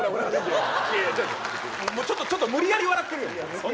ちょっと無理やり笑ってるよ。